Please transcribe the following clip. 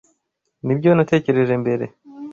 Nibyo natekereje mbere.